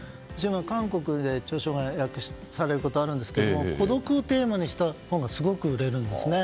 韓国で著書が訳されることがあるんですが孤独をテーマにした本がすごく売れるんですね。